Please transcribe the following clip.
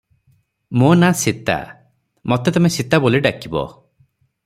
ମୋ ନା' ସୀତା, ମତେ ତୁମେ ସୀତା ବୋଲି ଡାକିବ ।